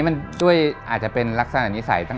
มันก็คือทางเดียวกัน